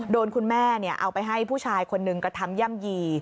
คุณแม่เอาไปให้ผู้ชายคนหนึ่งกระทำย่ำยี่